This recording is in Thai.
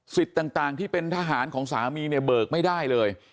สิทธิ์ต่างที่เป็นทหารของสามีเบิกไม่ได้เลย